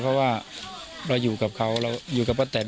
เพราะว่าเราอยู่กับเขาเราอยู่กับป้าแตน